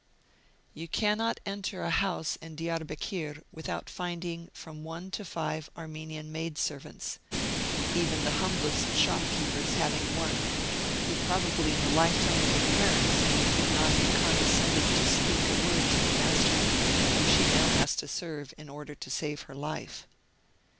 You cannot enter a house in Diarbekir without finding from one to five Armenian maid servants, even the humblest shopkeepers having one, who probably in the life time of her parents would not have condescended to speak a word to the master whom she now has to serve in order to save her life.